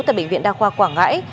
tại bệnh viện đa khoa quảng ngãi